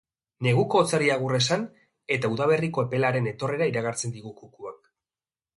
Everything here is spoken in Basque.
Neguko hotzari agur esan eta udaberriko epelaren etorrera iragartzen digu kukuak.